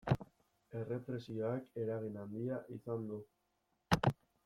Errepresioak eragin handia izan du.